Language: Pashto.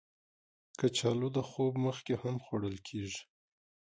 کچالو د خوب مخکې هم خوړل کېږي